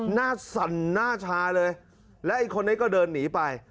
หน้าสั่นหน้าช้าเลยแล้วอีกคนนั้นก็เดินหนีไป